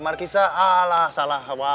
markisa ala salah